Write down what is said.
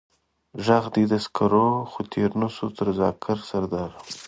ژغ دې د سکر و، خو تېر نه شوې تر ذاکر سرداره.